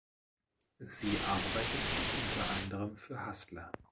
Sie arbeitete unter anderem für Hustler.